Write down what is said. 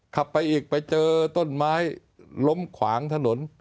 ขับไปอีกไปเจอต้นไม้ล้มขวางถนน